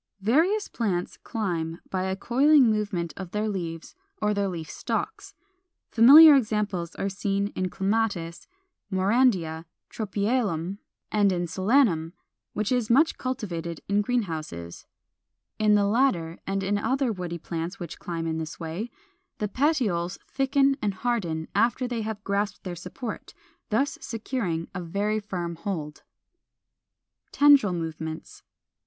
470. Various plants climb by a coiling movement of their leaves or their leaf stalks. Familiar examples are seen in Clematis, Maurandia, Tropæolum, and in a Solanum which is much cultivated in greenhouses (Fig. 172). In the latter, and in other woody plants which climb in this way, the petioles thicken and harden after they have grasped their support, thus securing a very firm hold. 471. =Tendril movements.